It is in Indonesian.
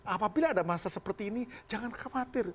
apabila ada masa seperti ini jangan khawatir